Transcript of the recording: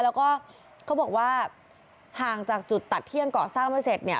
แล้วก็เขาบอกว่าห่างจากจุดตัดเที่ยงเกาะสร้างมาเสร็จเนี่ย